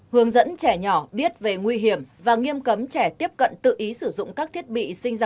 hướng dẫn trẻ nhỏ biết về nguy hiểm và nghiêm cấm trẻ tiếp cận tự ý sử dụng các thiết bị sinh ra